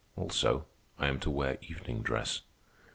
Also, I am to wear evening dress.